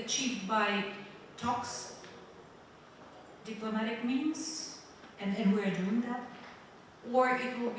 atau akan dikaitkan oleh operasi militer